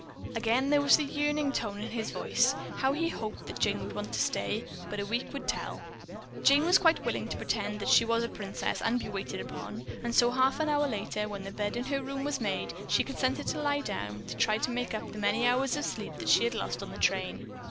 Again there was the yearning note in his voice. How he hoped that Jane would want to stay, but a week would tell. Jane was quite willing to pretend that she was a princess and be waited upon, and so half an hour later, when the bed in her room was made, she consented to lie down and try to make up the many hours of sleep that she had lost on the train.